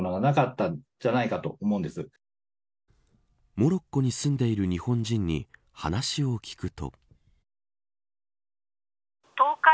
モロッコに住んでいる日本人に話を聞くと。